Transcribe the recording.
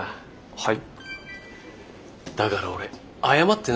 はい。